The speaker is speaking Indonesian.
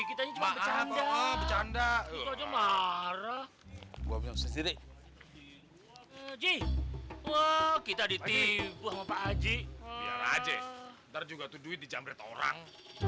kita di tiba tiba aja ntar juga tuh duit dijamret orang